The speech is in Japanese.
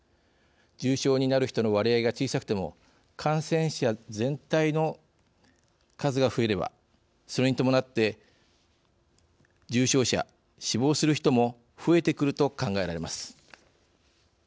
重症になる人の割合が小さくても感染者全体の数が増えればそれに伴って重症者、死亡する人も増えてくると考えられます。